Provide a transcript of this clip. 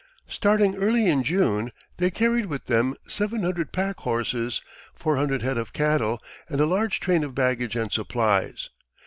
Starting early in June, they carried with them seven hundred packhorses, four hundred head of cattle, and a large train of baggage and supplies.